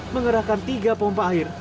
mengerahkan tiga pompa air